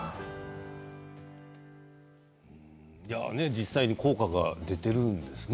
実際に効果が出ているんですね。